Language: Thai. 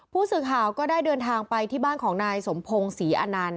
ผู้สื่อข่าวก็ได้เดินทางไปที่บ้านของนายสมพงศรีอนันต์